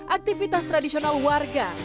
aktivitas tradisional warga